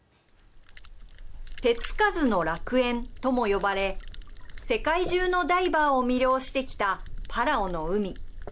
手つかずの楽園とも呼ばれ世界中のダイバーを魅了してきたパラオの海。